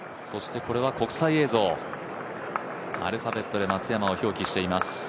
そしてこれは国際映像、アルファベットで松山を表記しています。